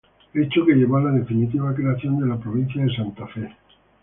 Hecho que llevó a la definitiva creación de la provincia de Santa Fe.